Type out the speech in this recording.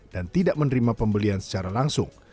dan tidak menerima pembelian secara langsung